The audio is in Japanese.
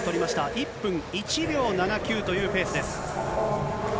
１分１秒７９というペースです。